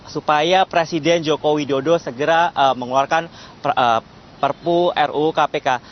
supaya presiden joko widodo segera mengeluarkan perpu rukpk